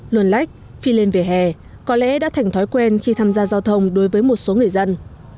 luồn lách khi lên vỉa hè có lẽ đã thành thói quen khi tham gia giao thông đối với một số người dân